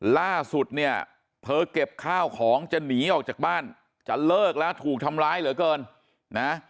ล่าสุดเนี่ยเธอเก็บข้าวของจะหนีออกจากบ้านจะเลิกแล้วถูกทำร้ายเหลือเกินนะ